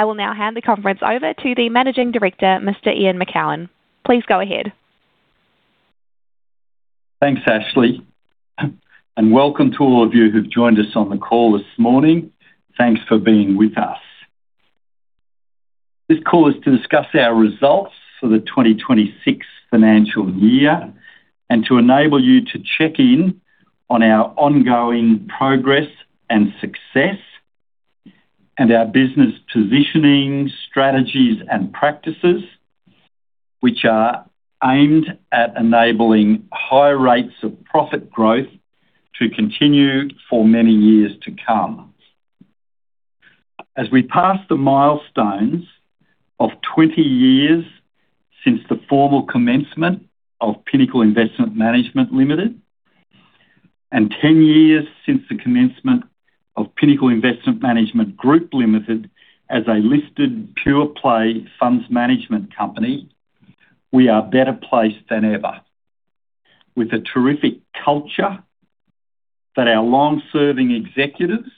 I will now hand the conference over to the managing director, Mr. Ian Macoun. Please go ahead. Thanks, Ashley. Welcome to all of you who've joined us on the call this morning. Thanks for being with us. This call is to discuss our results for the 2026 financial year and to enable you to check in on our ongoing progress and success, and our business positioning, strategies, and practices, which are aimed at enabling high rates of profit growth to continue for many years to come. As we pass the milestones of 20 years since the formal commencement of Pinnacle Investment Management Limited, and 10 years since the commencement of Pinnacle Investment Management Group Limited as a listed pure-play funds management company, we are better placed than ever. With a terrific culture that our long-serving executives,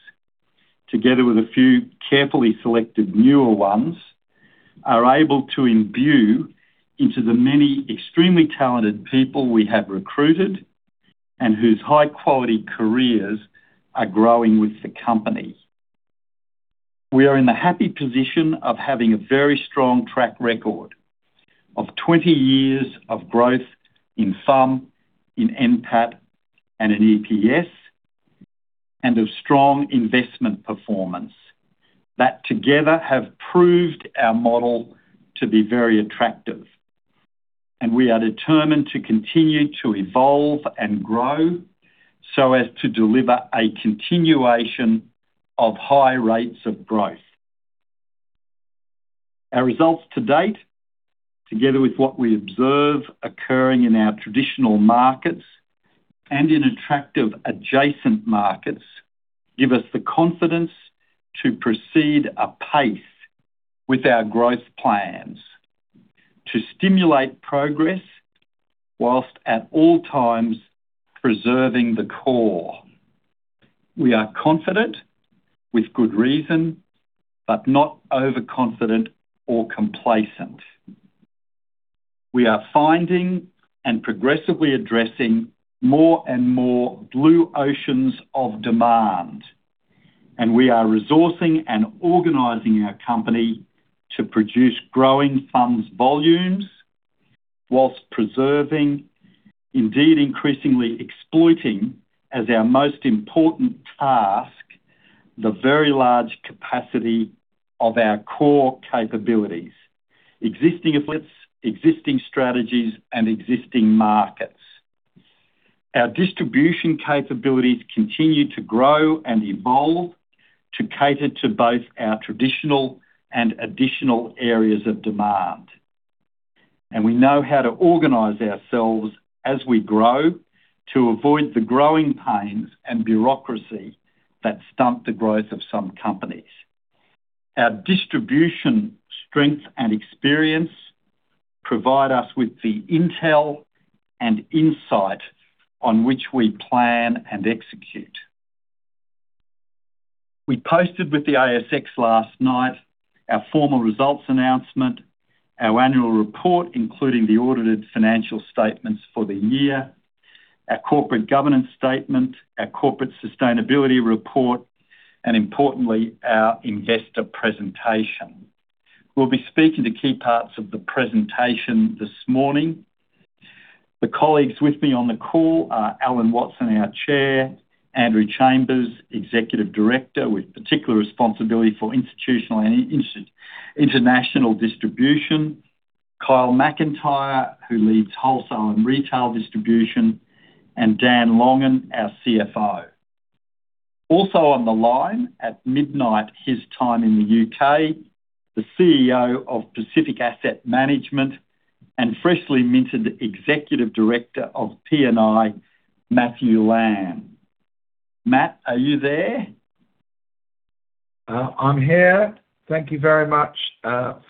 together with a few carefully selected newer ones, are able to imbue into the many extremely talented people we have recruited and whose high-quality careers are growing with the company. We are in the happy position of having a very strong track record of 20 years of growth in FUM, in NPAT, and in EPS, and of strong investment performance that together have proved our model to be very attractive. We are determined to continue to evolve and grow so as to deliver a continuation of high rates of growth. Our results to date, together with what we observe occurring in our traditional markets and in attractive adjacent markets, give us the confidence to proceed apace with our growth plans to stimulate progress whilst at all times preserving the core. We are confident with good reason, but not overconfident or complacent. We are finding and progressively addressing more and more blue oceans of demand. We are resourcing and organizing our company to produce growing funds volumes whilst preserving, indeed, increasingly exploiting, as our most important task, the very large capacity of our core capabilities, existing assets, existing strategies, and existing markets. Our distribution capabilities continue to grow and evolve to cater to both our traditional and additional areas of demand. We know how to organize ourselves as we grow to avoid the growing pains and bureaucracy that stunt the growth of some companies. Our distribution strength and experience provide us with the intel and insight on which we plan and execute. We posted with the ASX last night our formal results announcement, our annual report, including the audited financial statements for the year, our corporate governance statement, our corporate sustainability report, and importantly, our investor presentation. We'll be speaking to key parts of the presentation this morning. The colleagues with me on the call are Alan Watson, our Chair, Andrew Chambers, Executive Director with particular responsibility for institutional and international distribution, Kyle Macintyre, who leads wholesale and retail distribution, and Dan Longan, our CFO. Also on the line, at midnight his time in the U.K., the CEO of Pacific Asset Management and freshly minted Executive Director of Pinnacle, Matthew Lamb. Matt, are you there? I'm here. Thank you very much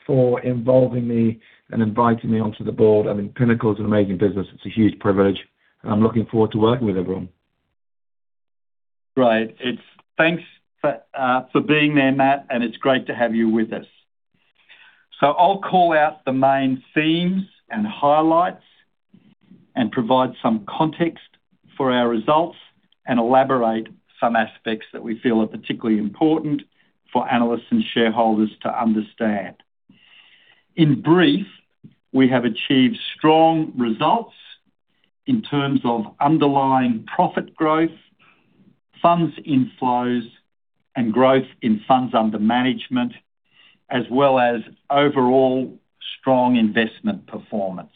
for involving me and inviting me onto the board. Pinnacle is an amazing business. It's a huge privilege, and I'm looking forward to working with everyone. Great. Thanks for being there, Matt, and it's great to have you with us. I'll call out the main themes and highlights and provide some context for our results and elaborate some aspects that we feel are particularly important for analysts and shareholders to understand. In brief, we have achieved strong results in terms of underlying profit growth, funds inflows and growth in funds under management, as well as overall strong investment performance.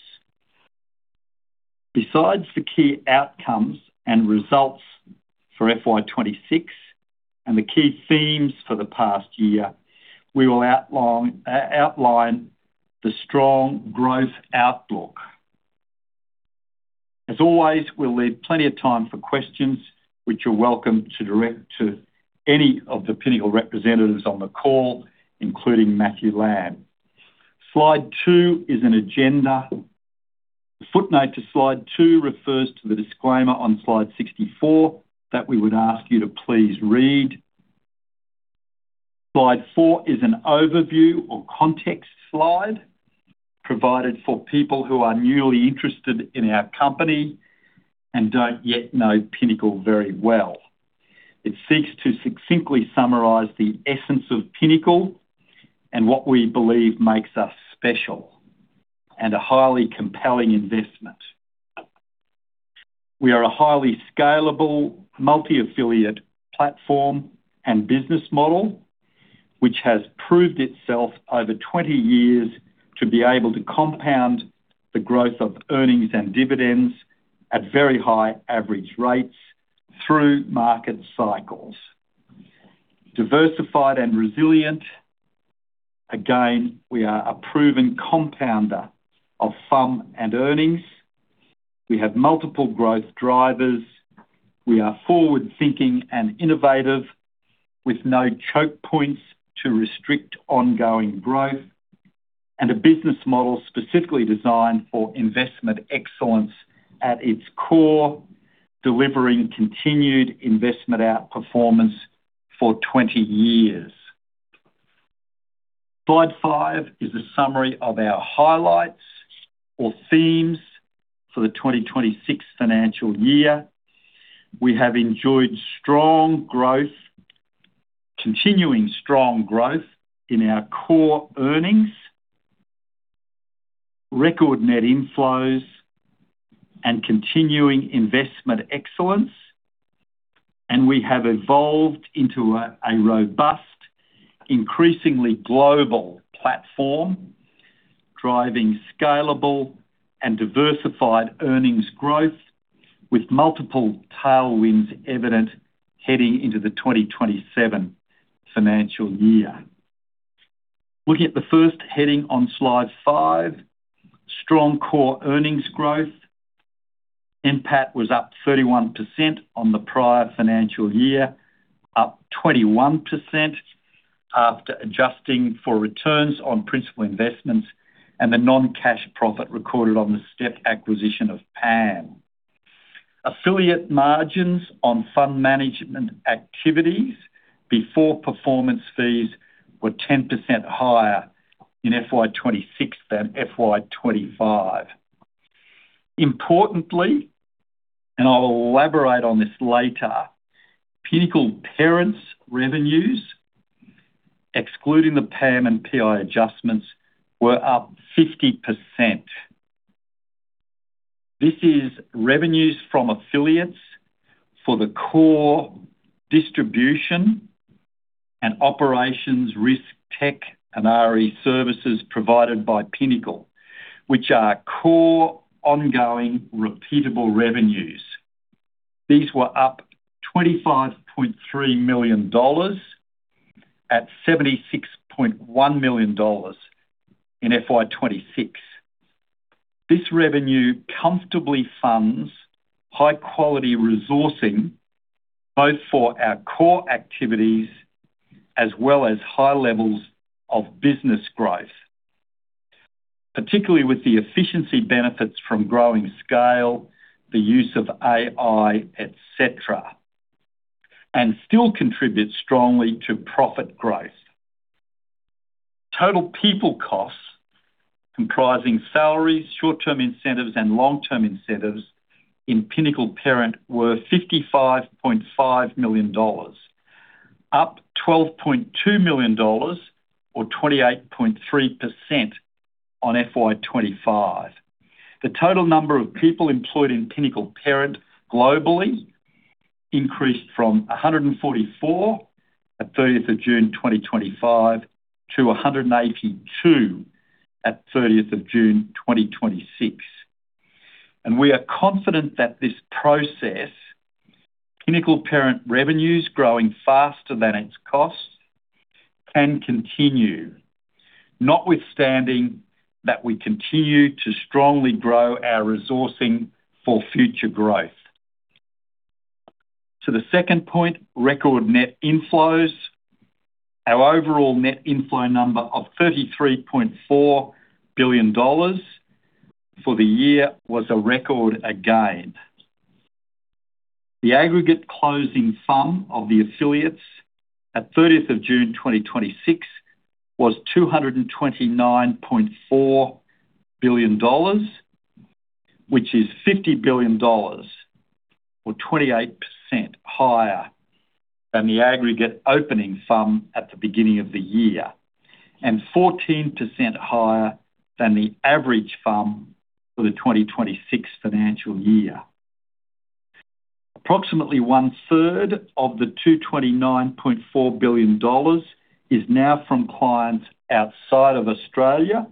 Besides the key outcomes and results for FY 2026 and the key themes for the past year, we will outline the strong growth outlook. As always, we'll leave plenty of time for questions, which you're welcome to direct to any of the Pinnacle representatives on the call, including Matthew Lamb. Slide two is an agenda. The footnote to slide two refers to the disclaimer on slide 64 that we would ask you to please read. Slide four is an overview or context slide provided for people who are newly interested in our company and don't yet know Pinnacle very well. It seeks to succinctly summarize the essence of Pinnacle and what we believe makes us special and a highly compelling investment. We are a highly scalable, multi-affiliate platform and business model, which has proved itself over 20 years to be able to compound the growth of earnings and dividends at very high average rates through market cycles. Diversified and resilient. Again, we are a proven compounder of FUM and earnings. We have multiple growth drivers. We are forward-thinking and innovative with no choke points to restrict ongoing growth, and a business model specifically designed for investment excellence at its core, delivering continued investment outperformance for 22 years. Slide five is a summary of our highlights or themes for the 2026 financial year. We have enjoyed continuing strong growth in our core earnings, record net inflows, and continuing investment excellence, and we have evolved into a robust, increasingly global platform, driving scalable and diversified earnings growth with multiple tailwinds evident heading into FY 2027. Looking at the first heading on slide five, strong core earnings growth. NPAT was up 31% on the prior financial year, up 21% after adjusting for returns on principal investments and the non-cash profit recorded on the step acquisition of PAM. Affiliate margins on fund management activities before performance fees were 10% higher in FY 2026 than FY 2025. Importantly, I will elaborate on this later, Pinnacle Parent's revenues, excluding the PAM and PI adjustments, were up 50%. This is revenues from affiliates for the core distribution and operations risk tech and RE services provided by Pinnacle, which are core ongoing repeatable revenues. These were up 25.3 million dollars at 76.1 million dollars in FY 2026. This revenue comfortably funds high-quality resourcing, both for our core activities as well as high levels of business growth, particularly with the efficiency benefits from growing scale, the use of AI, et cetera, and still contributes strongly to profit growth. Total people costs, comprising salaries, short-term incentives, and long-term incentives in Pinnacle Parent were 55.5 million dollars. Up 12.2 million dollars, or 28.3% on FY 2025. The total number of people employed in Pinnacle Parent globally increased from 144 at 30th of June 2025 to 182 at 30th of June 2026. We are confident that this process, Pinnacle Parent revenues growing faster than its costs can continue. Notwithstanding that we continue to strongly grow our resourcing for future growth. To the second point, record net inflows. Our overall net inflow number of 33.4 billion dollars for the year was a record again. The aggregate closing FUM of the affiliates at 30th of June 2026 was 229.4 billion dollars, which is 50 billion dollars, or 28% higher than the aggregate opening FUM at the beginning of the year, and 14% higher than the average FUM for FY 2026. Approximately one-third of the 229.4 billion dollars is now from clients outside of Australia,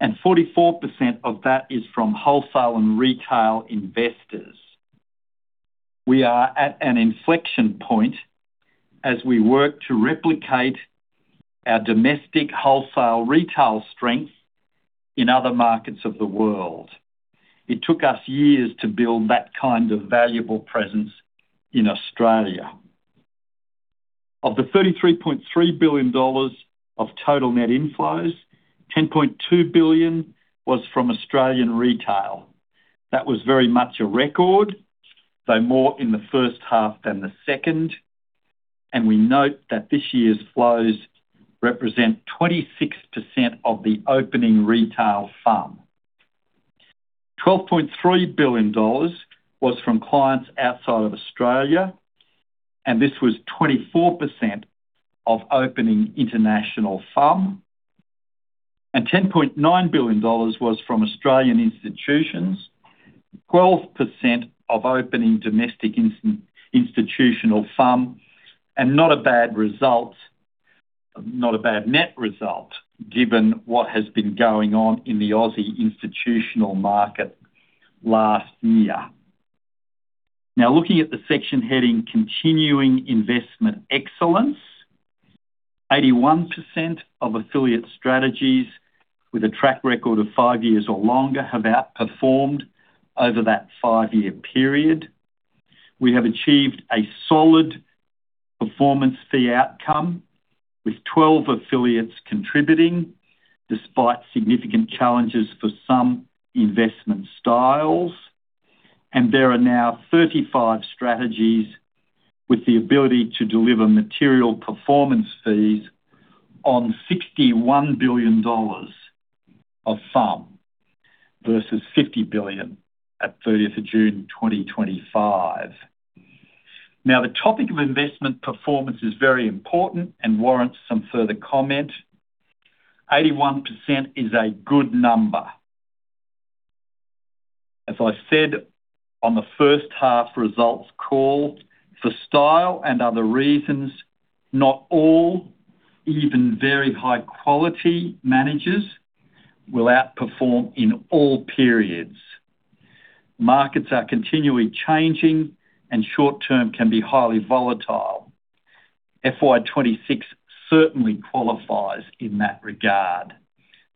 and 44% of that is from wholesale and retail investors. We are at an inflection point as we work to replicate our domestic wholesale retail strength in other markets of the world. It took us years to build that kind of valuable presence in Australia. Of the 33.3 billion dollars of total net inflows, 10.2 billion was from Australian retail. That was very much a record, though more in the first half than the second, and we note that this year's flows represent 26% of the opening retail FUM. 12.3 billion dollars was from clients outside of Australia, and this was 24% of opening international FUM. 10.9 billion dollars was from Australian institutions, 12% of opening domestic institutional FUM, and not a bad net result given what has been going on in the Aussie institutional market last year. Now, looking at the section heading Continuing Investment Excellence, 81% of affiliate strategies with a track record of five years or longer have outperformed over that five-year period. We have achieved a solid performance fee outcome, with 12 affiliates contributing despite significant challenges for some investment styles. There are now 35 strategies with the ability to deliver material performance fees on 61 billion dollars of FUM versus 50 billion at 30th of June 2025. Now, the topic of investment performance is very important and warrants some further comment. 81% is a good number. As I said on the first half results call, for style and other reasons, not all, even very high quality managers, will outperform in all periods. Markets are continually changing and short term can be highly volatile. FY 2026 certainly qualifies in that regard.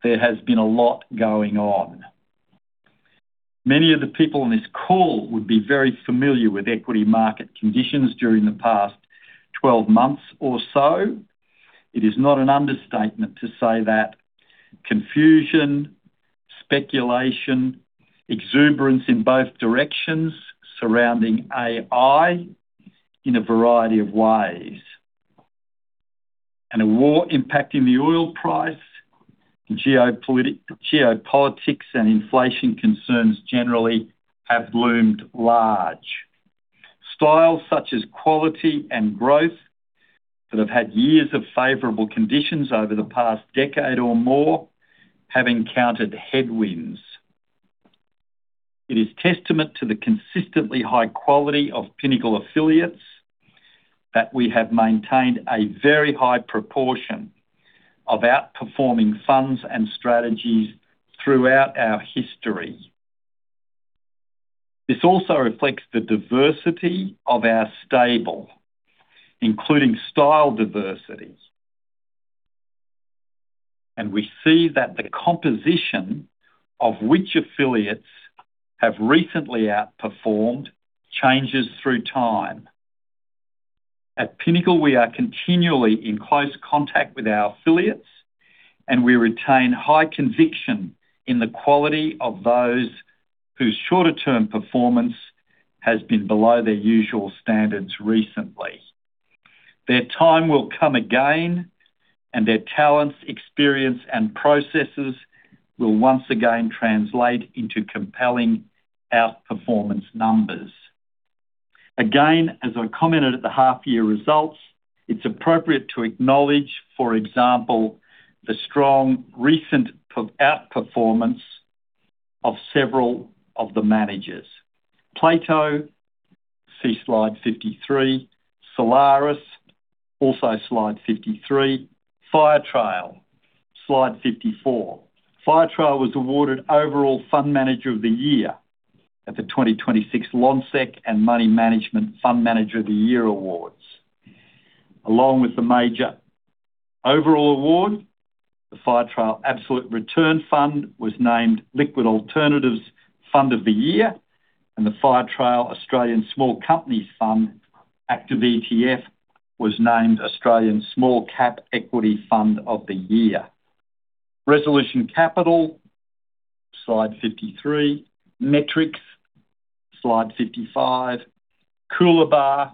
There has been a lot going on. Many of the people on this call would be very familiar with equity market conditions during the past 12 months or so. It is not an understatement to say that confusion, speculation, exuberance in both directions surrounding AI in a variety of ways, and a war impacting the oil price, geopolitics, and inflation concerns generally have loomed large. Styles such as quality and growth that have had years of favorable conditions over the past decade or more have encountered headwinds. It is testament to the consistently high quality of Pinnacle affiliates that we have maintained a very high proportion of outperforming funds and strategies throughout our history. This also reflects the diversity of our stable, including style diversity. We see that the composition of which affiliates have recently outperformed changes through time. At Pinnacle, we are continually in close contact with our affiliates, and we retain high conviction in the quality of those whose shorter term performance has been below their usual standards recently. Their time will come again, and their talents, experience, and processes will once again translate into compelling outperformance numbers. Again, as I commented at the half year results, it is appropriate to acknowledge, for example, the strong recent outperformance of several of the managers. Plato, see slide 53. Solaris, also slide 53. Firetrail, slide 54. Firetrail was awarded Overall Fund Manager of the Year at the 2026 Lonsec and Money Management Fund Manager of the Year Awards. Along with the major overall award, the Firetrail Absolute Return Fund was named Liquid Alternatives Fund of the Year, and the Firetrail Australian Small Companies Fund Active ETF was named Australian Small Cap Equity Fund of the Year. Resolution Capital, slide 53. Metrics, slide 55. Coolabah,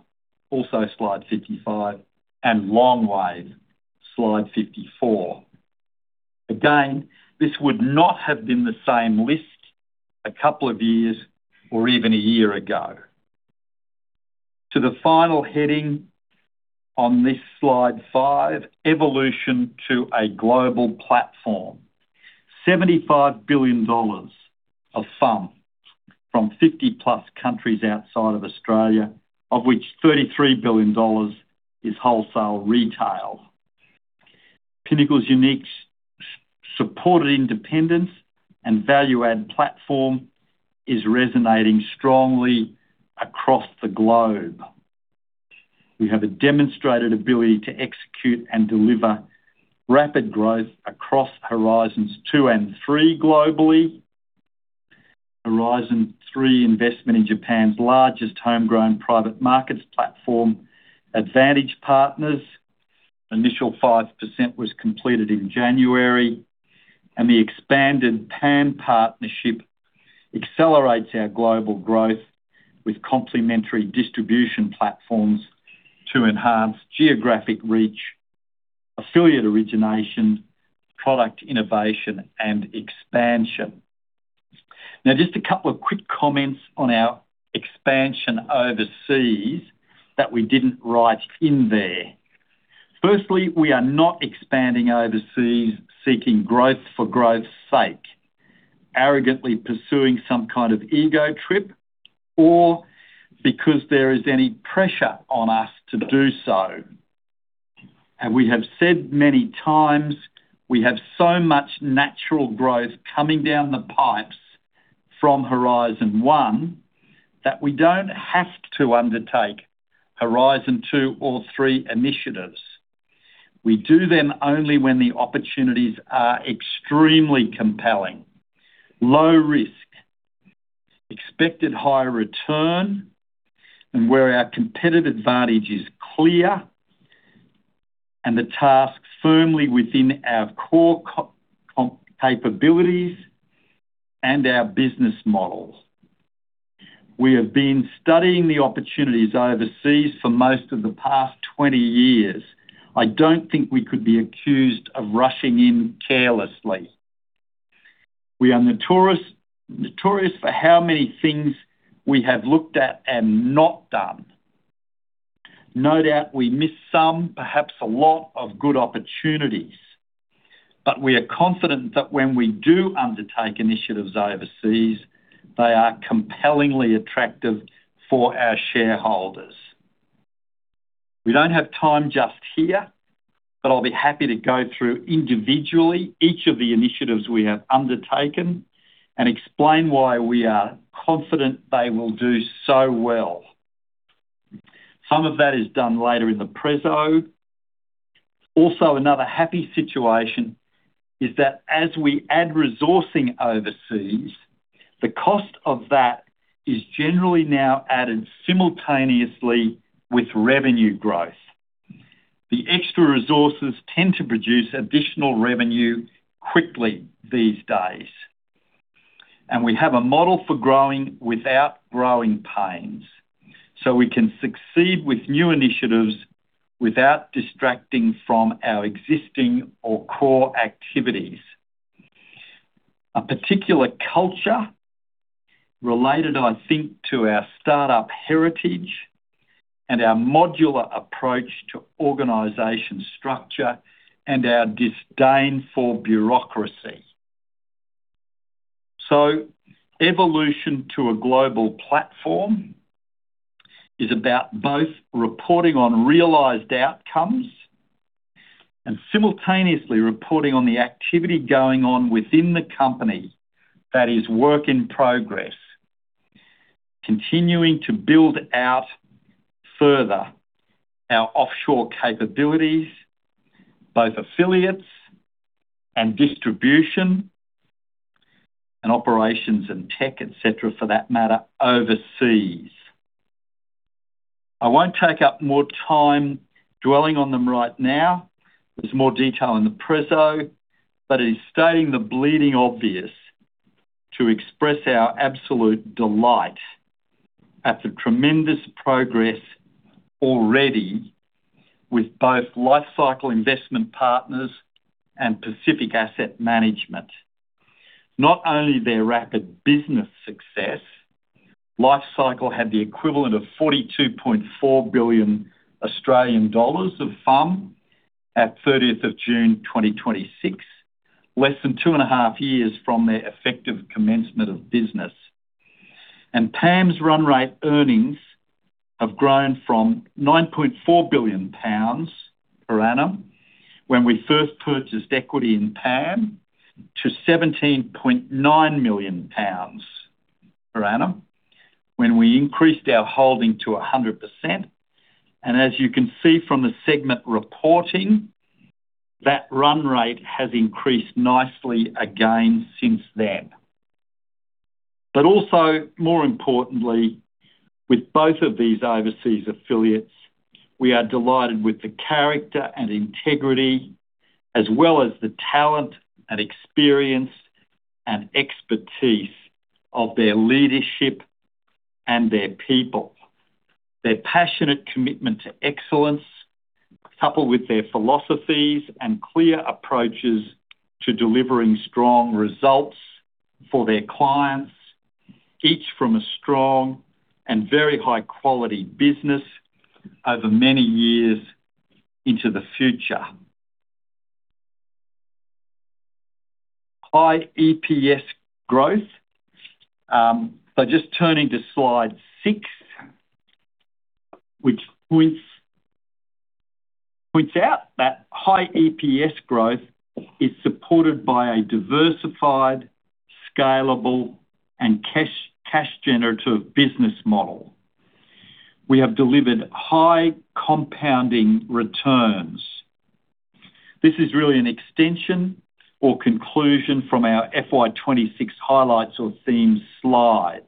also slide 55. Longwave, slide 54. Again, this would not have been the same list a couple of years or even a year ago. To the final heading on this slide five, Evolution to a Global Platform. 75 billion dollars of FUM from 50 plus countries outside of Australia, of which 33 billion dollars is wholesale retail. Pinnacle's unique supported independence and value add platform is resonating strongly across the globe. We have a demonstrated ability to execute and deliver rapid growth across horizons two and three globally. Horizon three investment in Japan's largest homegrown private markets platform, Advantage Partners. Initial 5% was completed in January, and the expanded PAM partnership accelerates our global growth with complementary distribution platforms to enhance geographic reach, affiliate origination, product innovation, and expansion. Just a couple of quick comments on our expansion overseas that we didn't write in there. Firstly, we are not expanding overseas seeking growth for growth's sake, arrogantly pursuing some kind of ego trip, or because there is any pressure on us to do so. We have said many times we have so much natural growth coming down the pipes from Horizon one, that we don't have to undertake Horizon two or three initiatives. We do them only when the opportunities are extremely compelling, low risk, expected high return, and where our competitive advantage is clear, and the task firmly within our core capabilities and our business models. We have been studying the opportunities overseas for most of the past 20 years. I don't think we could be accused of rushing in carelessly. We are notorious for how many things we have looked at and not done. No doubt we missed some, perhaps a lot of good opportunities. We are confident that when we do undertake initiatives overseas, they are compellingly attractive for our shareholders. We don't have time just here, but I'll be happy to go through individually each of the initiatives we have undertaken and explain why we are confident they will do so well. Some of that is done later in the preso. Another happy situation is that as we add resourcing overseas, the cost of that is generally now added simultaneously with revenue growth. The extra resources tend to produce additional revenue quickly these days. We have a model for growing without growing pains. We can succeed with new initiatives without distracting from our existing or core activities. A particular culture related, I think, to our startup heritage and our modular approach to organization structure and our disdain for bureaucracy. Evolution to a global platform is about both reporting on realized outcomes and simultaneously reporting on the activity going on within the company that is work in progress, continuing to build out further our offshore capabilities, both affiliates and distribution and operations and tech, et cetera, for that matter, overseas. I won't take up more time dwelling on them right now. There's more detail in the preso. It is stating the bleeding obvious to express our absolute delight at the tremendous progress already with both Life Cycle Investment Partners and Pacific Asset Management. Not only their rapid business success, Life Cycle had the equivalent of 42.4 billion Australian dollars of AUM at 30th of June 2026, less than 2.5 Years from their effective commencement of business. PAM's run rate earnings have grown from 9.4 billion pounds per annum when we first purchased equity in PAM to GBP 17.9 million per annum when we increased our holding to 100%. As you can see from the segment reporting, that run rate has increased nicely again since then. Also, more importantly, with both of these overseas affiliates, we are delighted with the character and integrity, as well as the talent and experience and expertise of their leadership and their people. Their passionate commitment to excellence, coupled with their philosophies and clear approaches to delivering strong results for their clients, each from a strong and very high-quality business over many years into the future. High EPS growth. Just turning to slide six, which points out that high EPS growth is supported by a diversified, scalable, and cash-generative business model. We have delivered high compounding returns. This is really an extension or conclusion from our FY 2026 highlights or themes slide.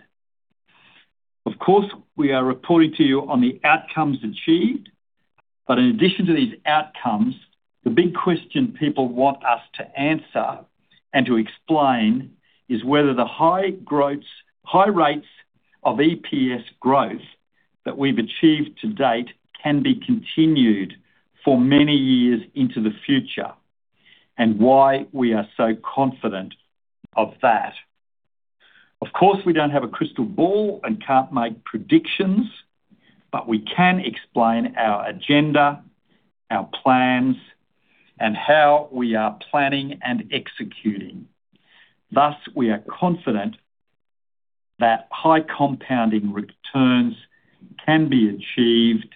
We are reporting to you on the outcomes achieved, but in addition to these outcomes, the big question people want us to answer and to explain is whether the high rates of EPS growth that we've achieved to date can be continued for many years into the future, and why we are so confident of that. Of course, we don't have a crystal ball and can't make predictions, but we can explain our agenda, our plans, and how we are planning and executing. Thus, we are confident that high compounding returns can be achieved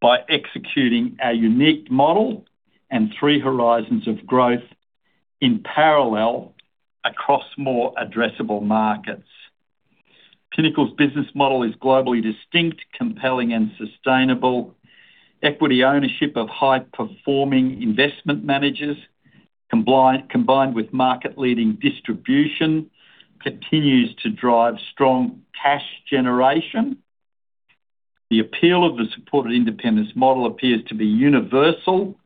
by executing our unique model and three horizons of growth in parallel across more addressable markets. Pinnacle's business model is globally distinct, compelling, and sustainable. Equity ownership of high-performing investment managers, combined with market-leading distribution, continues to drive strong cash generation. The appeal of the supported independence model appears to be universal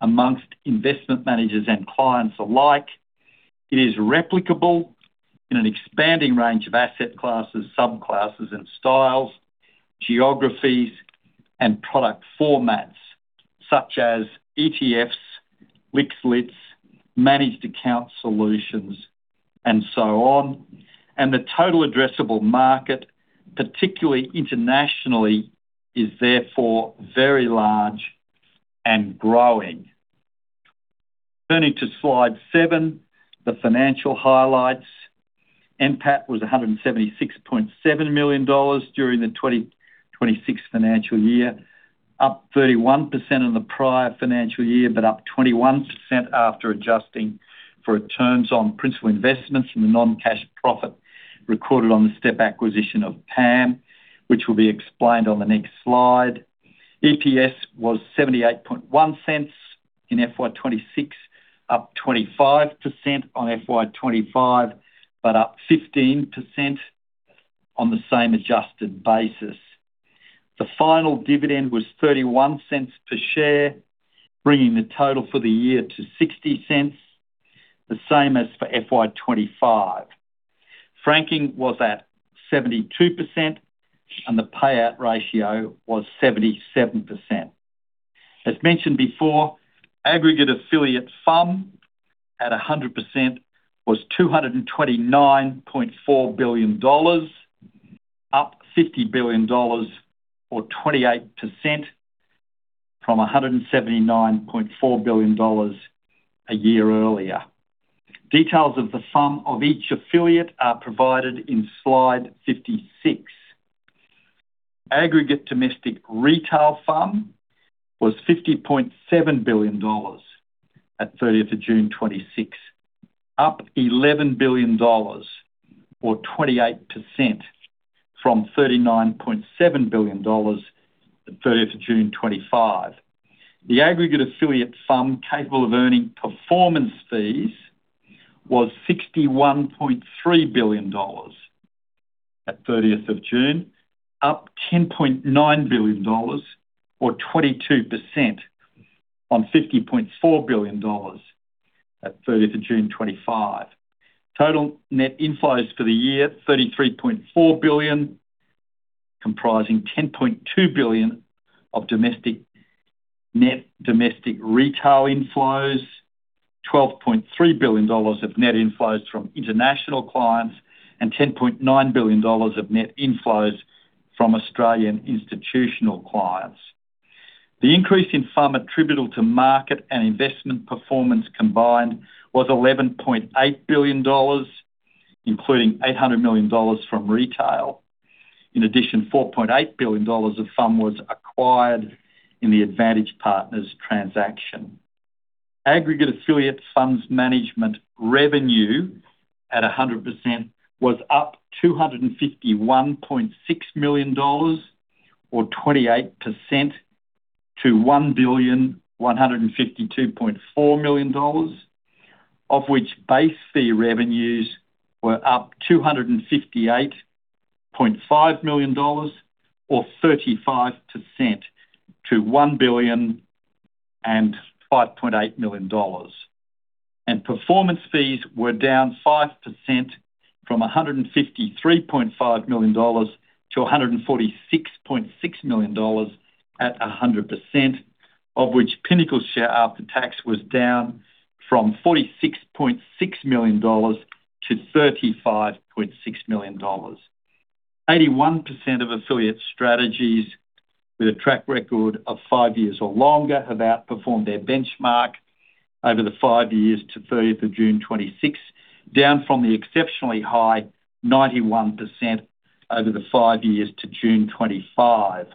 amongst investment managers and clients alike. It is replicable in an expanding range of asset classes, subclasses and styles, geographies, and product formats, such as ETFs, liquid alts, managed account solutions, and so on. The total addressable market, particularly internationally, is therefore very large and growing. Turning to slide seven, the financial highlights. NPAT was 176.7 million dollars during the 2026 financial year, up 31% on the prior financial year, but up 21% after adjusting for returns on principal investments from the non-cash profit recorded on the step acquisition of PAM, which will be explained on the next slide. EPS was 0.781 in FY 2026, up 25% on FY 2025, but up 15% on the same adjusted basis. The final dividend was 0.31 per share, bringing the total for the year to 0.60, the same as for FY 2025. Franking was at 72% and the payout ratio was 77%. As mentioned before, aggregate affiliate FUM at 100% was 229.4 billion dollars, up 50 billion dollars or 28% from 179.4 billion dollars a year earlier. Details of the FUM of each affiliate are provided in slide 56. Aggregate domestic retail FUM was 50.7 billion dollars at 30th of June 2026, up 11 billion dollars or 28% from 39.7 billion dollars at 30th of June 2025. The aggregate affiliate FUM capable of earning performance fees was AUD 61.3 billion at 30th of June 2026, up AUD 10.9 billion or 22% from AUD 50.4 billion at 30th of June 2025. Total net inflows for the year, AUD 33.4 billion, comprising AUD 10.2 billion of net domestic retail inflows, AUD 12.3 billion of net inflows from international clients, and AUD 10.9 billion of net inflows from Australian institutional clients. The increase in FUM attributable to market and investment performance combined was 11.8 billion dollars, including 800 million dollars from retail. In addition, 4.8 billion dollars of FUM was acquired in the Advantage Partners transaction. Aggregate affiliates funds management revenue at 100% was up 251.6 million dollars or 28% to 1.1524 billion, of which base fee revenues were up 258.5 million dollars or 35% to 1.058 billion. Performance fees were down 5% from 153.5 million dollars to 146.6 million dollars at 100%, of which Pinnacle's share after tax was down from 46.6 million dollars to 35.6 million dollars. 81% of affiliate strategies with a track record of five years or longer have outperformed their benchmark over the five years to 30th of June 2026, down from the exceptionally high 91% over the five years to June 2025.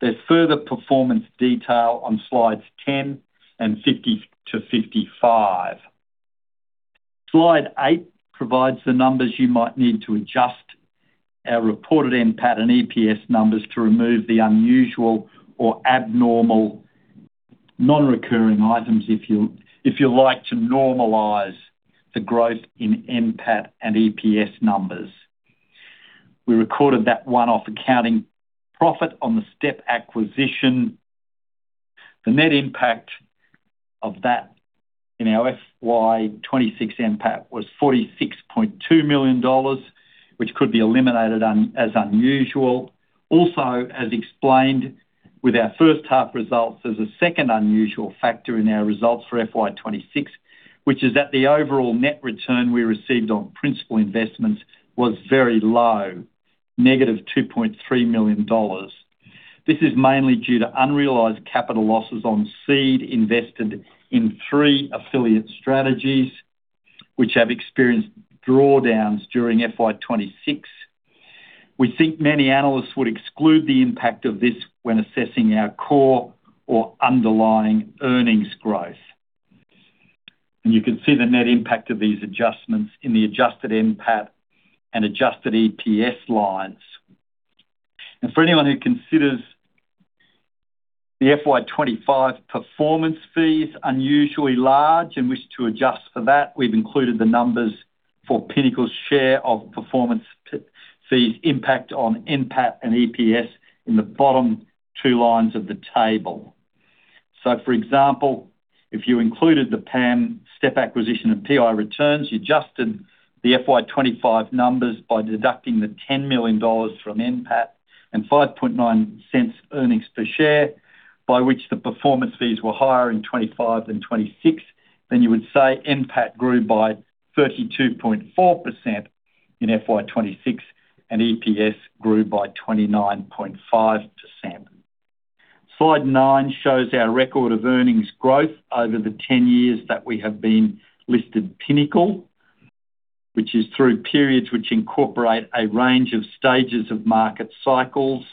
There's further performance detail on slides 10 and 50-55. Slide eight provides the numbers you might need to adjust our reported NPAT and EPS numbers to remove the unusual or abnormal non-recurring items if you like to normalize the growth in NPAT and EPS numbers. We recorded that one-off accounting profit on the step acquisition. The net impact of that in our FY 2026 NPAT was 46.2 million dollars, which could be eliminated as unusual. As explained with our first half results, there's a second unusual factor in our results for FY 2026, which is that the overall net return we received on principal investments was very low, negative 2.3 million dollars. This is mainly due to unrealized capital losses on seed invested in three affiliate strategies, which have experienced drawdowns during FY 2026. We think many analysts would exclude the impact of this when assessing our core or underlying earnings growth. You can see the net impact of these adjustments in the adjusted NPAT and adjusted EPS lines. For anyone who considers the FY 2025 performance fees unusually large and wish to adjust for that, we've included the numbers for Pinnacle's share of performance fees impact on NPAT and EPS in the bottom two lines of the table. For example, if you included the PAM step acquisition and PI returns, you adjusted the FY 2025 numbers by deducting the 10 million dollars from NPAT and 0.059 earnings per share, by which the performance fees were higher in 2025 than 2026, then you would say NPAT grew by 32.4% in FY 2026, and EPS grew by 29.5%. Slide nine shows our record of earnings growth over the 10 years that we have been listed Pinnacle, which is through periods which incorporate a range of stages of market cycles.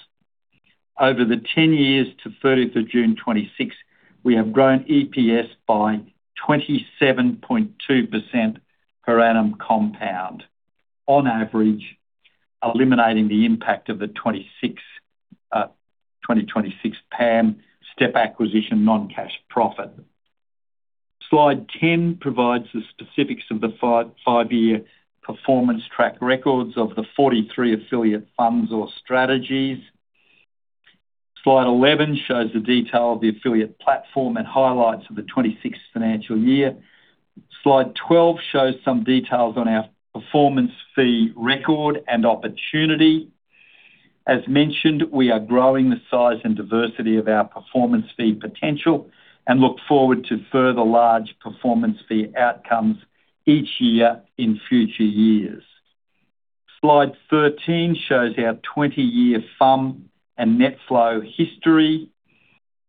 Over the 10 years to 30th of June 2026, we have grown EPS by 27.2% per annum compound, on average, eliminating the impact of the 2026 PAM step acquisition non-cash profit. Slide 10 provides the specifics of the five-year performance track records of the 43 affiliate funds or strategies. Slide 11 shows the detail of the affiliate platform and highlights of the 2026 financial year. Slide 12 shows some details on our performance fee record and opportunity. As mentioned, we are growing the size and diversity of our performance fee potential and look forward to further large performance fee outcomes each year in future years. Slide 13 shows our 20-year FUM and net flow history.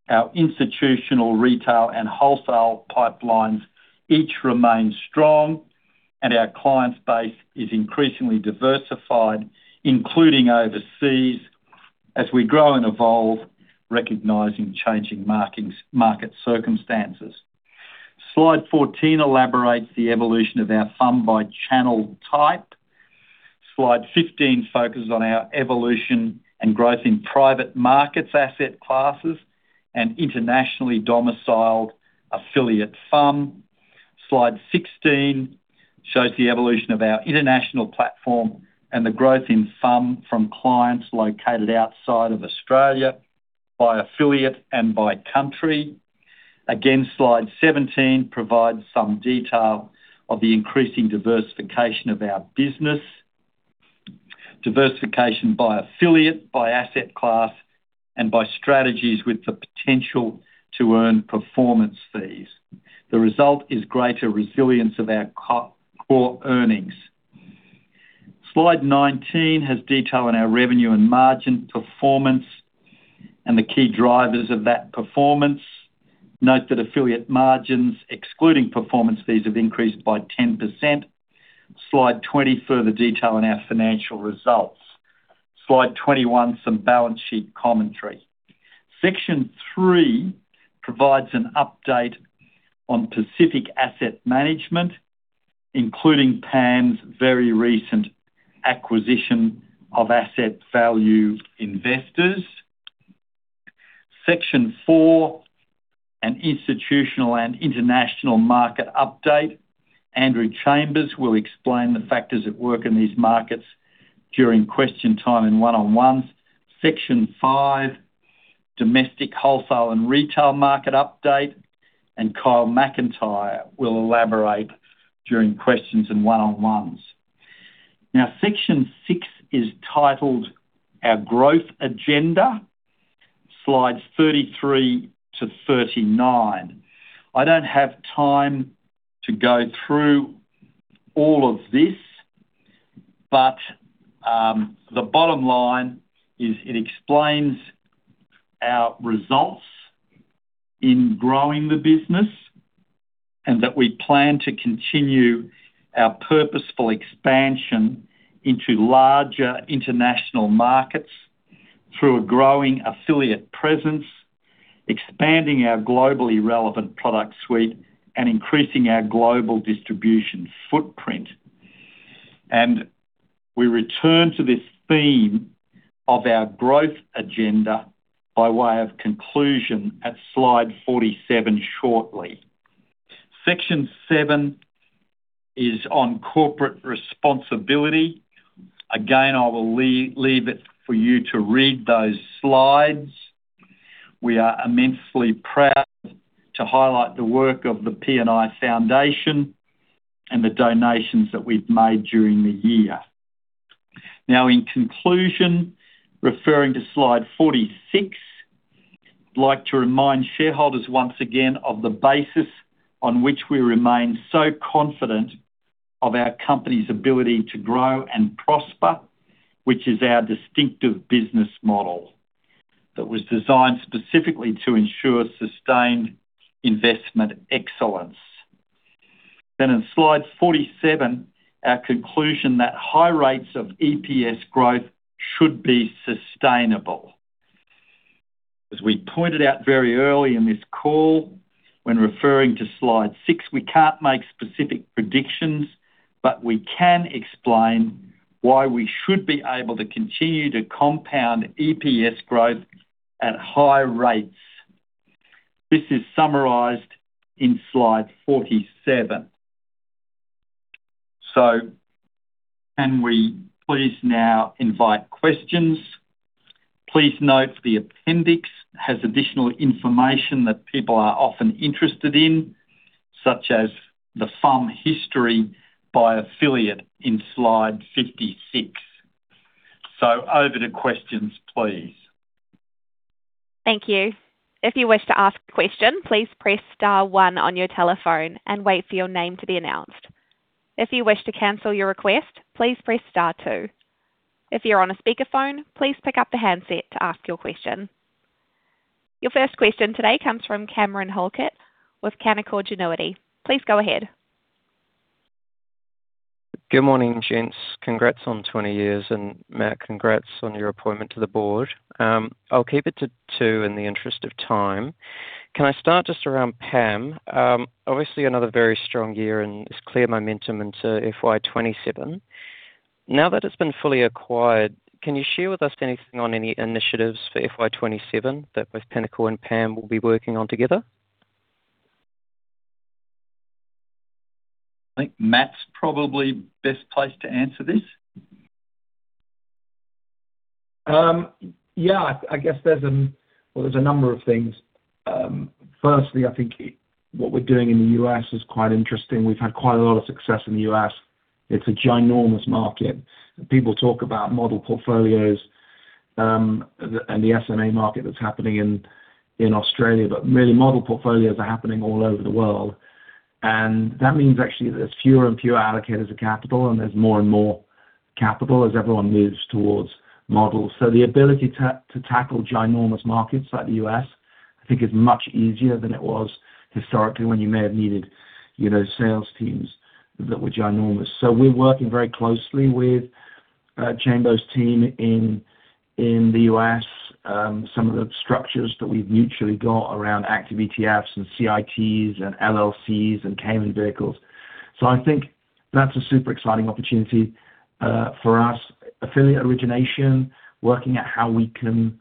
Our institutional retail and wholesale pipelines each remain strong, and our client base is increasingly diversified, including overseas, as we grow and evolve, recognizing changing market circumstances. Slide 14 elaborates the evolution of our FUM by channel type. Slide 15 focuses on our evolution and growth in private markets asset classes and internationally domiciled affiliate FUM. Slide 16 shows the evolution of our international platform and the growth in FUM from clients located outside of Australia by affiliate and by country. Slide 17 provides some detail of the increasing diversification of our business. Diversification by affiliate, by asset class, and by strategies with the potential to earn performance fees. The result is greater resilience of our core earnings. Slide 19 has detail on our revenue and margin performance and the key drivers of that performance. Note that affiliate margins, excluding performance fees, have increased by 10%. Slide 20, further detail on our financial results. Slide 21, some balance sheet commentary. Section three provides an update on Pacific Asset Management, including PAM's very recent acquisition of Asset Value Investors. Section four, an institutional and international market update. Andrew Chambers will explain the factors at work in these markets during question time and one-on-ones. Section five, domestic, wholesale, and retail market update. Kyle Macintyre will elaborate during questions and one-on-ones. Section six is titled "Our Growth Agenda," slides 33-39. I don't have time to go through all of this, but the bottom line is it explains our results in growing the business and that we plan to continue our purposeful expansion into larger international markets through a growing affiliate presence, expanding our globally relevant product suite, and increasing our global distribution footprint. We return to this theme of our growth agenda by way of conclusion at slide 47 shortly. Section seven is on corporate responsibility. Again, I will leave it for you to read those slides. We are immensely proud to highlight the work of the PNI Foundation and the donations that we've made during the year. In conclusion, referring to slide 46, I'd like to remind shareholders once again of the basis on which we remain so confident of our company's ability to grow and prosper, which is our distinctive business model that was designed specifically to ensure sustained investment excellence. On slide 47, our conclusion that high rates of EPS growth should be sustainable. As we pointed out very early in this call when referring to slide six, we can't make specific predictions, but we can explain why we should be able to continue to compound EPS growth at high rates. This is summarized in slide 47. Can we please now invite questions? Please note the appendix has additional information that people are often interested in, such as the FUM history by affiliate in slide 56. Over to questions, please. Thank you. If you wish to ask a question, please press star one on your telephone and wait for your name to be announced. If you wish to cancel your request, please press star two. If you're on a speakerphone, please pick up the handset to ask your question. Your first question today comes from Cameron Halkett with Canaccord Genuity. Please go ahead. Good morning, gents. Congrats on 20 years, and Matt, congrats on your appointment to the board. I'll keep it to two in the interest of time. Can I start just around PAM? Obviously, another very strong year and it's clear momentum into FY 2027. Now that it's been fully acquired, can you share with us anything on any initiatives for FY 2027 that both Pinnacle and PAM will be working on together? I think Matt is probably best placed to answer this. There is a number of things. Firstly, I think what we are doing in the U.S. is quite interesting. We have had quite a lot of success in the U.S. It is a ginormous market. People talk about model portfolios and the SMA market that is happening in Australia. Really, model portfolios are happening all over the world. That means actually there are fewer and fewer allocators of capital, and there is more and more capital as everyone moves towards models. The ability to tackle ginormous markets like the U.S., I think, is much easier than it was historically when you may have needed sales teams that were ginormous. We are working very closely with Andrew Chambers team in the U.S. Some of the structures that we have mutually got around active ETFs and CITs and LLCs and Cayman vehicles. I think that is a super exciting opportunity for us. Affiliate origination, working out how we can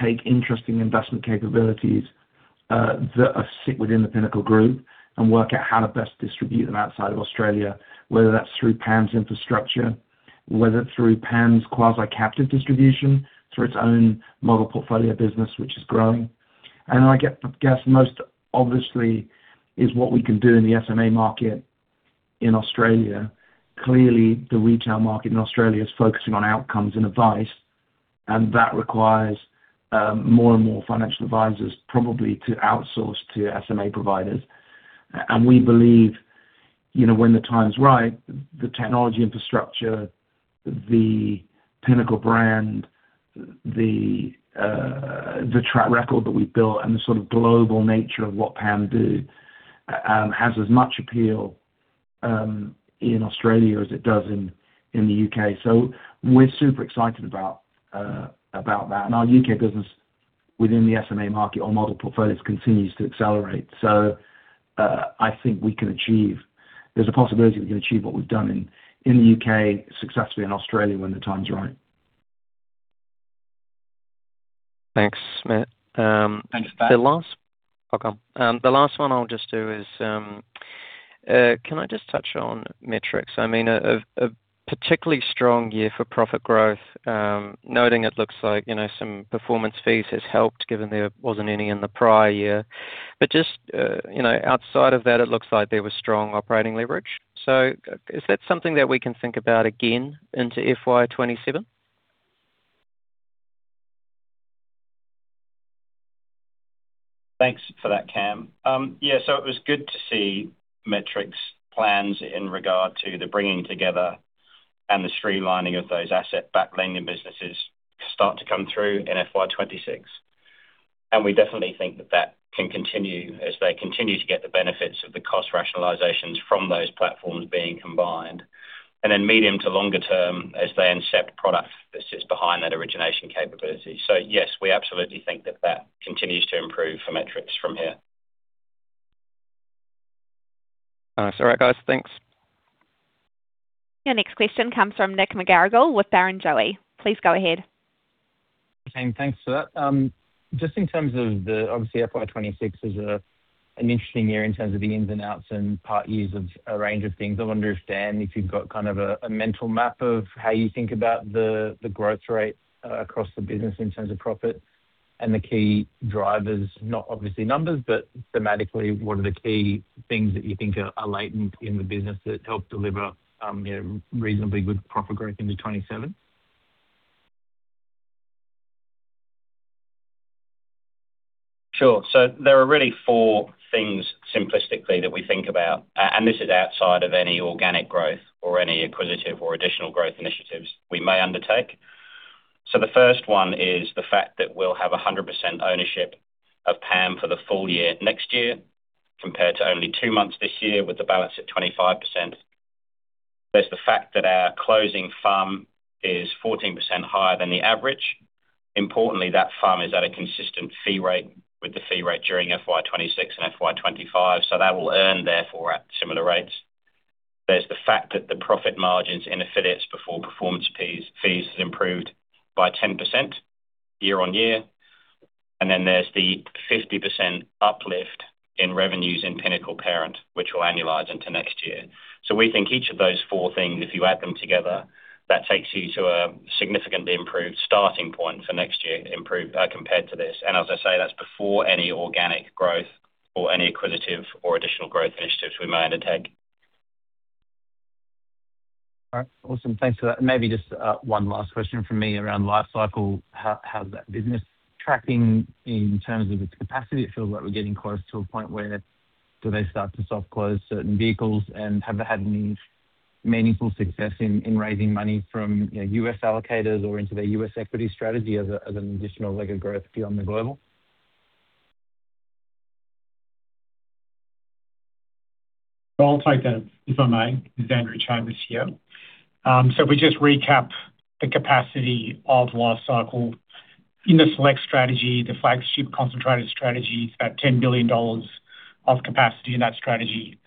take interesting investment capabilities that sit within the Pinnacle Group and work out how to best distribute them outside of Australia, whether that is through PAM’s infrastructure, whether it is through PAM’s quasi-captive distribution, through its own model portfolio business, which is growing. I guess most obviously is what we can do in the SMA market in Australia. Clearly, the retail market in Australia is focusing on outcomes and advice, and that requires more and more financial advisors probably to outsource to SMA providers. We believe, when the time is right, the technology infrastructure, the Pinnacle brand, the track record that we have built, and the sort of global nature of what PAM do, has as much appeal in Australia as it does in the U.K. We are super excited about that. Our U.K. business within the SMA market or model portfolios continues to accelerate. I think we can achieve. There is a possibility we can achieve what we have done in the U.K. successfully in Australia when the time is right. Thanks, Matt. Thanks for that. The last Welcome. The last one I'll just do is, can I just touch on Metrics? A particularly strong year for profit growth, noting it looks like some performance fees has helped given there wasn't any in the prior year. Just outside of that, it looks like there was strong operating leverage. Is that something that we can think about again into FY 2027? Thanks for that, Cam. It was good to see Metrics plans in regard to the bringing together and the streamlining of those asset-backed lending businesses start to come through in FY 2026. We definitely think that that can continue as they continue to get the benefits of the cost rationalizations from those platforms being combined, and then medium to longer term as they incept product that sits behind that origination capability. Yes, we absolutely think that that continues to improve for Metrics from here. Nice. All right, guys. Thanks. Your next question comes from Nick McGarrigle with Barrenjoey. Please go ahead. Okay. Thanks for that. Just in terms of the, obviously, FY 2026 is an interesting year in terms of the ins and outs and part years of a range of things. I wonder if, Dan, if you've got kind of a mental map of how you think about the growth rate across the business in terms of profit and the key drivers, not obviously numbers, but thematically, what are the key things that you think are latent in the business that help deliver reasonably good profit growth into 2027? Sure. There are really four things simplistically that we think about, and this is outside of any organic growth or any acquisitive or additional growth initiatives we may undertake. The first one is the fact that we'll have 100% ownership of PAM for the full year next year, compared to only two months this year with the balance at 25%. There's the fact that our closing FUM is 14% higher than the average. Importantly, that FUM is at a consistent fee rate with the fee rate during FY 2026 and FY 2025, that will earn therefore at similar rates. There's the fact that the profit margins in Affiliates before performance fees improved by 10% year-over-year. Then there's the 50% uplift in revenues in Pinnacle Parent, which will annualize into next year. We think each of those four things, if you add them together, that takes you to a significantly improved starting point for next year, improved compared to this. As I say, that's before any organic growth or any acquisitive or additional growth initiatives we may undertake. All right. Awesome. Thanks for that. Maybe just one last question from me around Life Cycle. How's that business tracking in terms of its capacity? It feels like we're getting close to a point where, do they start to soft close certain vehicles and have they had any meaningful success in raising money from U.S. allocators or into their U.S. equity strategy as an additional leg of growth beyond the global? I'll take that, if I may. It's Andrew Chambers here. If we just recap the capacity of Life Cycle. In the Select strategy, the flagship concentrated strategy is about 10 billion dollars of capacity in that strategy.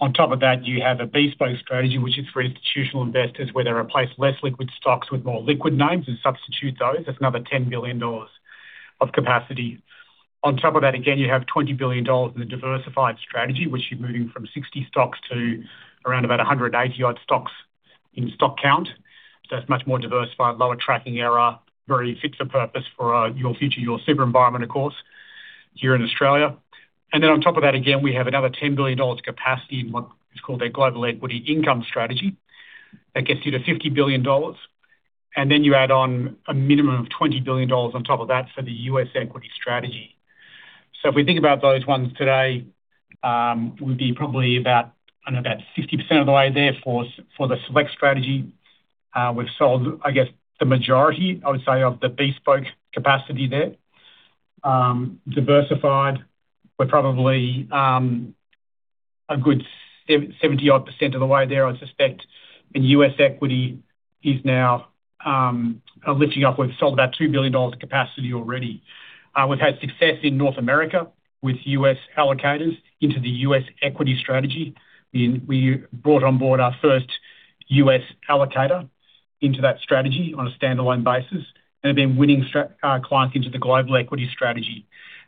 On top of that, you have a bespoke strategy, which is for institutional investors, where they replace less liquid stocks with more liquid names and substitute those. That's another 10 billion dollars of capacity. On top of that, again, you have 20 billion dollars in the diversified strategy, which you're moving from 60 stocks to around about 180 odd stocks in stock count. It's much more diversified, lower tracking error, very fit for purpose for your future, your super environment, of course, here in Australia. On top of that, again, we have another 10 billion dollars capacity in what is called their Global Equity Income strategy. That gets you to 50 billion dollars. You add on a minimum of 20 billion dollars on top of that for the U.S. equity strategy. If we think about those ones today, we'd be probably about, I don't know, about 60% of the way there for the Select strategy. We've sold, I guess, the majority, I would say, of the bespoke capacity there. Diversified, we're probably a good 70 odd% of the way there, I'd suspect. U.S. equity is now lifting up. We've sold about 2 billion dollars of capacity already. We've had success in North America with U.S. allocators into the U.S. equity strategy. We brought on board our first U.S. allocator into that strategy on a standalone basis, and have been winning clients into the global equity strategy.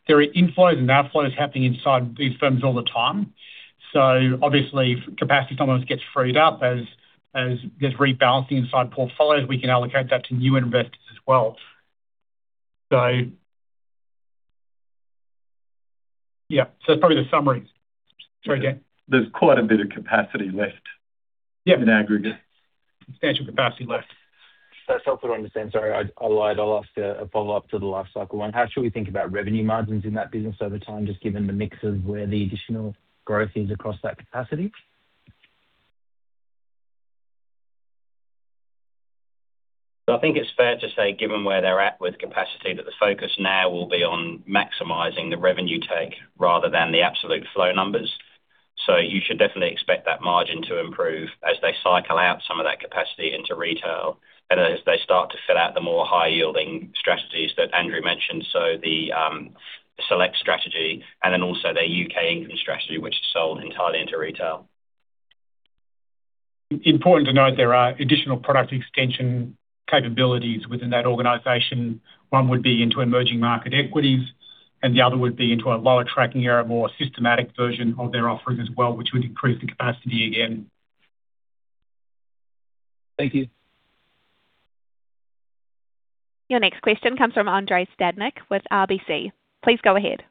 There are inflows and outflows happening inside these firms all the time. Obviously, capacity sometimes gets freed up as there's rebalancing inside portfolios. We can allocate that to new investors as well. Yeah. That's probably the summary. Sorry, Dan. There's quite a bit of capacity left- Yeah In aggregate. Substantial capacity left. That's helpful to understand. Sorry, I lied, I'll ask a follow-up to the Life Cycle one. How should we think about revenue margins in that business over time, just given the mix of where the additional growth is across that capacity? I think it's fair to say, given where they're at with capacity, that the focus now will be on maximizing the revenue take rather than the absolute flow numbers. You should definitely expect that margin to improve as they cycle out some of that capacity into retail, and as they start to fill out the more high-yielding strategies that Andrew mentioned, the Select strategy and then also their U.K. income strategy, which is sold entirely into retail. Important to note, there are additional product extension capabilities within that organization. One would be into emerging market equities, and the other would be into a lower tracking error, more systematic version of their offering as well, which would increase the capacity again. Thank you. Your next question comes from Andrei Stadnik with RBC. Please go ahead.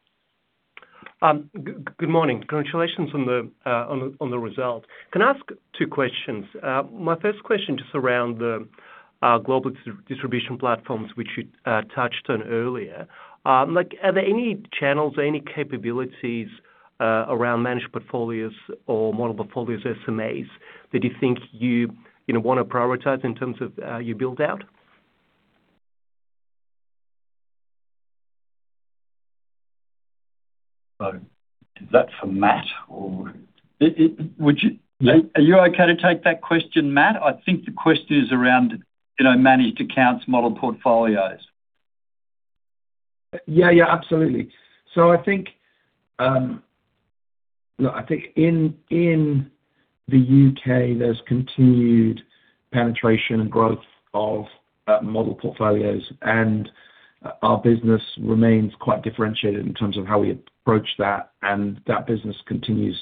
Good morning. Congratulations on the result. Can I ask two questions? My first question, just around the global distribution platforms which you touched on earlier. Are there any channels or any capabilities around managed portfolios or model portfolios, SMAs, that you think you want to prioritize in terms of your build-out? Is that for Matt? Are you okay to take that question, Matt? I think the question is around managed accounts model portfolios. Yeah, absolutely. I think in the U.K., there's continued penetration and growth of model portfolios. Our business remains quite differentiated in terms of how we approach that, and that business continues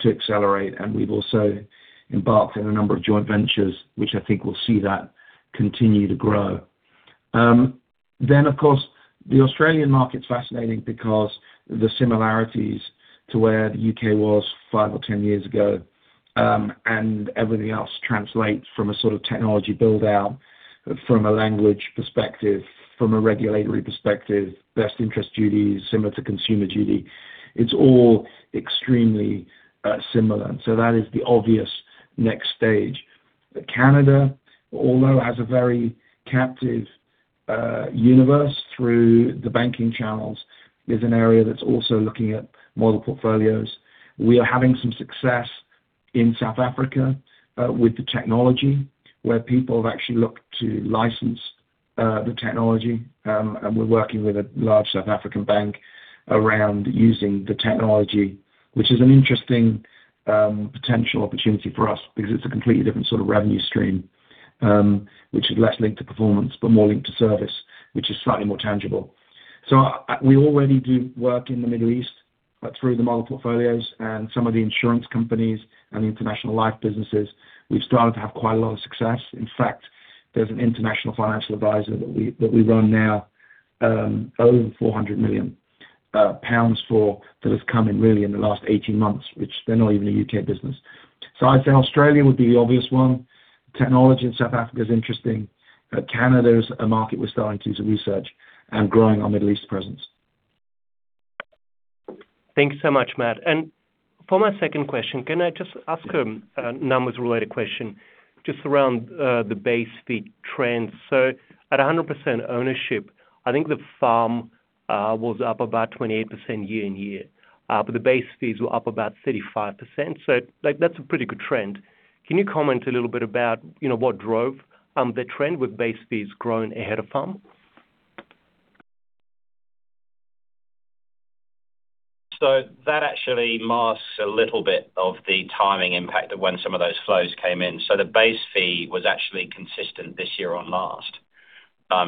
to accelerate. We've also embarked on a number of joint ventures, which I think will see that continue to grow. Of course, the Australian market's fascinating because the similarities to where the U.K. was five or 10 years ago, and everything else translates from a sort of technology build-out from a language perspective, from a regulatory perspective, best interest duties similar to consumer duty. It's all extremely similar. That is the obvious next stage. Canada, although has a very captive universe through the banking channels, is an area that's also looking at model portfolios. We are having some success in South Africa, with the technology, where people have actually looked to license the technology. We're working with a large South African bank around using the technology, which is an interesting potential opportunity for us because it's a completely different sort of revenue stream, which is less linked to performance but more linked to service, which is slightly more tangible. We already do work in the Middle East through the model portfolios and some of the insurance companies and the international life businesses. We've started to have quite a lot of success. In fact, there's an international financial advisor that we run now, over 400 million pounds for, that has come in really in the last 18 months, which they're not even a U.K. business. I'd say Australia would be the obvious one. Technology in South Africa is interesting. Canada is a market we're starting to do some research and growing our Middle East presence. Thanks so much, Matt. For my second question, can I just ask a numbers-related question just around the base fee trends? At 100% ownership, I think the FUM was up about 28% year-over-year. The base fees were up about 35%. That's a pretty good trend. Can you comment a little bit about what drove the trend with base fees growing ahead of FUM? That actually masks a little bit of the timing impact of when some of those flows came in. The base fee was actually consistent this year on last,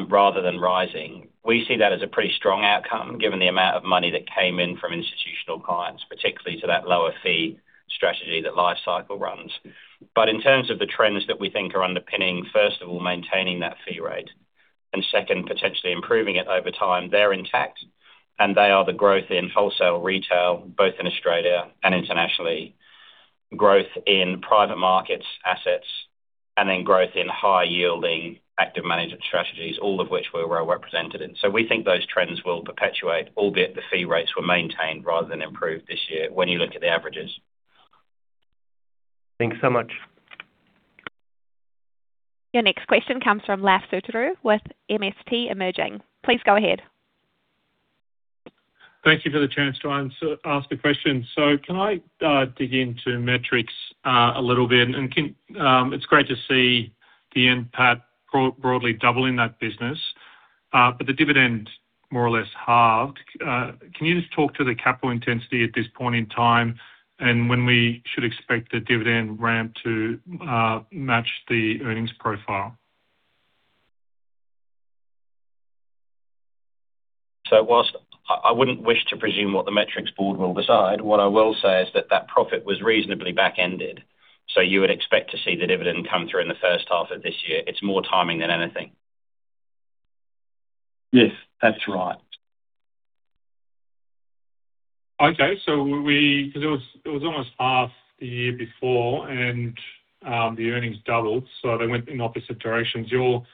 rather than rising. We see that as a pretty strong outcome given the amount of money that came in from institutional clients, particularly to that lower fee strategy that LifeCycle runs. In terms of the trends that we think are underpinning, first of all, maintaining that fee rate, and second, potentially improving it over time, they're intact, and they are the growth in wholesale retail, both in Australia and internationally, growth in private markets assets, and then growth in high-yielding active management strategies, all of which we're well represented in. We think those trends will perpetuate, albeit the fee rates were maintained rather than improved this year when you look at the averages. Thanks so much. Your next question comes from Laf Sotiriou with MST Financial. Please go ahead. Thank you for the chance to ask the question. Can I dig into Metrics a little bit? It's great to see the NPAT broadly double in that business, but the dividend more or less halved. Can you just talk to the capital intensity at this point in time and when we should expect the dividend ramp to match the earnings profile? Whilst I wouldn't wish to presume what the Metrics board will decide, what I will say is that that profit was reasonably back-ended. You would expect to see the dividend come through in the first half of this year. It's more timing than anything. Yes, that's right. It was almost half the year before and the earnings doubled, so they went in opposite directions. You're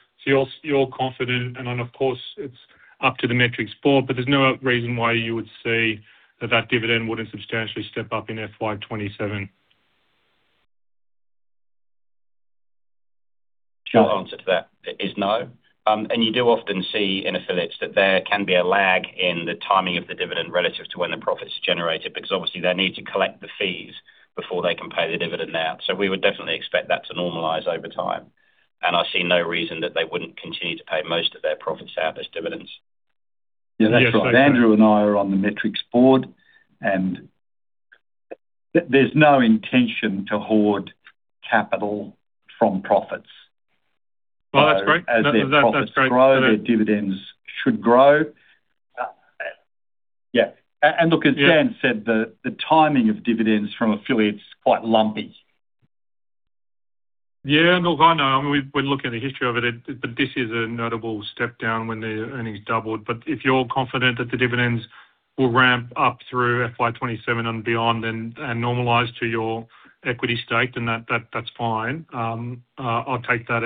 confident, and then, of course, it's up to the Metrics board, but there's no reason why you would see that that dividend wouldn't substantially step up in FY 2027. Short answer to that is no. You do often see in affiliates that there can be a lag in the timing of the dividend relative to when the profit's generated, because obviously they need to collect the fees before they can pay the dividend out. We would definitely expect that to normalize over time. I see no reason that they wouldn't continue to pay most of their profits out as dividends. That's right. Andrew and I are on the Metrics board, there's no intention to hoard capital from profits. That's great. As their profits grow, their dividends should grow. Look, as Dan said, the timing of dividends from affiliates is quite lumpy. Look, I know. We're looking at the history of it, this is a notable step down when the earnings doubled. If you're confident that the dividends will ramp up through FY 2027 and beyond and normalize to your equity stake, then that's fine. I'll take that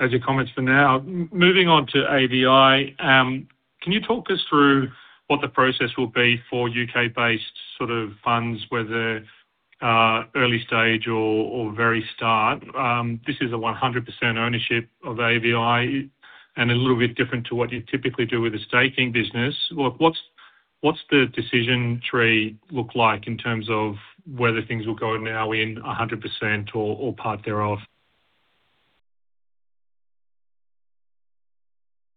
as your comments for now. Moving on to AVI, can you talk us through what the process will be for U.K.-based sort of funds, whether early stage or very start? This is a 100% ownership of AVI, a little bit different to what you typically do with a staking business. What's the decision tree look like in terms of whether things will go now in 100% or part thereof?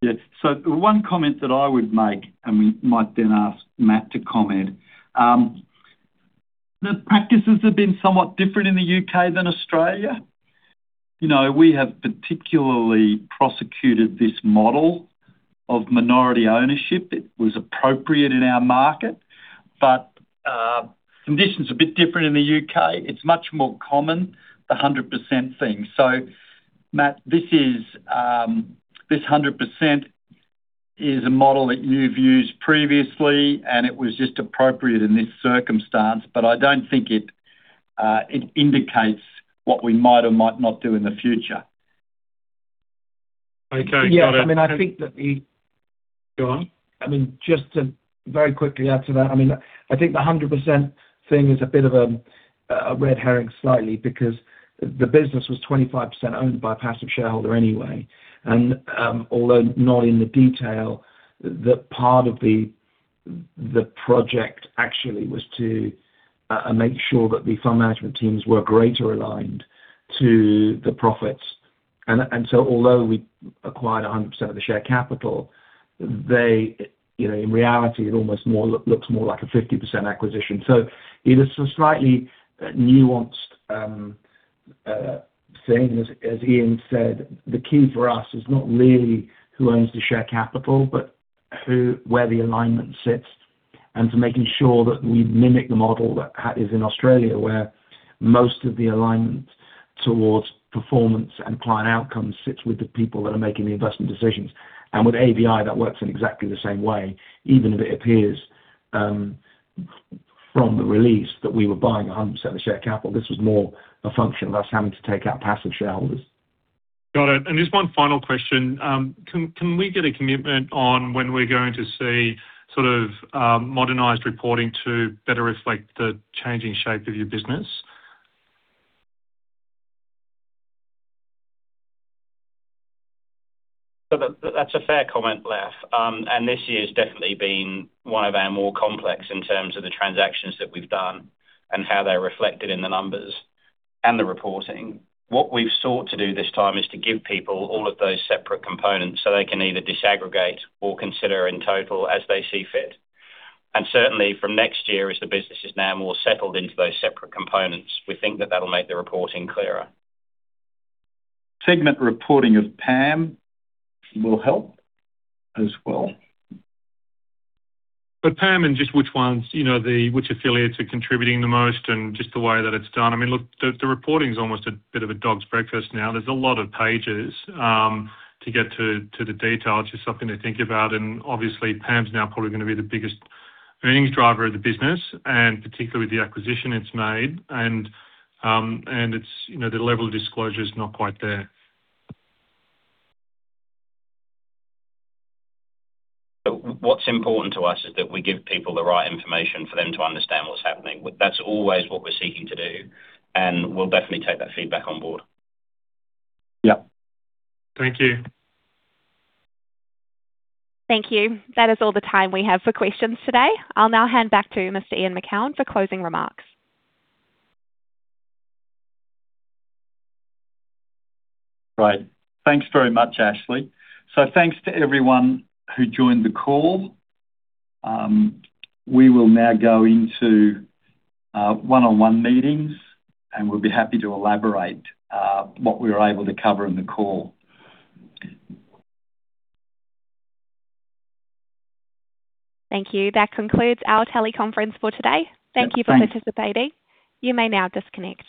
Yes. The one comment that I would make, and we might then ask Matt to comment. The practices have been somewhat different in the U.K. than Australia. We have particularly prosecuted this model of minority ownership. It was appropriate in our market. Condition's a bit different in the U.K. It's much more common, the 100% thing. Matt, this 100% is a model that you've used previously, and it was just appropriate in this circumstance, but I don't think it indicates what we might or might not do in the future. Okay. Got it. Yeah. I think that. Go on. Just to very quickly add to that. I think the 100% thing is a bit of a red herring slightly because the business was 25% owned by a passive shareholder anyway. Although not in the detail, that part of the project actually was to make sure that the fund management teams were greater aligned to the profits. Although we acquired 100% of the share capital, in reality, it almost looks more like a 50% acquisition. It is a slightly nuanced thing. As Ian said, the key for us is not really who owns the share capital, but where the alignment sits, and to making sure that we mimic the model that is in Australia, where most of the alignment towards performance and client outcomes sits with the people that are making the investment decisions. With AVI, that works in exactly the same way, even if it appears from the release that we were buying 100% of the share capital. This was more a function of us having to take out passive shareholders. Got it. Just one final question. Can we get a commitment on when we're going to see modernized reporting to better reflect the changing shape of your business? Look, that's a fair comment, Laf. This year's definitely been one of our more complex in terms of the transactions that we've done and how they're reflected in the numbers and the reporting. What we've sought to do this time is to give people all of those separate components so they can either disaggregate or consider in total as they see fit. Certainly, from next year, as the business is now more settled into those separate components, we think that that'll make the reporting clearer. Segment reporting of PAM will help as well. PAM and just which affiliates are contributing the most and just the way that it's done. Look, the reporting's almost a bit of a dog's breakfast now. There's a lot of pages to get to the detail. It's just something to think about. Obviously, PAM's now probably going to be the biggest earnings driver of the business, and particularly the acquisition it's made. The level of disclosure is not quite there. Look, what's important to us is that we give people the right information for them to understand what's happening. That's always what we're seeking to do, and we'll definitely take that feedback on board. Yep. Thank you. Thank you. That is all the time we have for questions today. I'll now hand back to Mr. Ian Macoun for closing remarks. Great. Thanks very much, Ashley. Thanks to everyone who joined the call. We will now go into one-on-one meetings, and we'll be happy to elaborate what we were able to cover in the call. Thank you. That concludes our teleconference for today. Thanks. Thank you for participating. You may now disconnect.